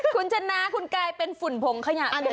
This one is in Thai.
คุณชนะคุณกายเป็นฝุ่นผงขยะอะไรนะ